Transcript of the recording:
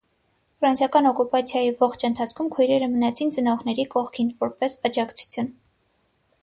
Ֆրանսիական օկուպացիայի ողջ ընթացքում քույրերը մնացին ծնողների կողքին, որպես աջակցություն։